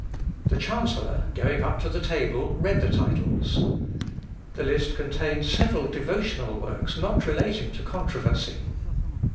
" The chancellor going up to the table read the titles. The list contained several devotional works not relating to controversy.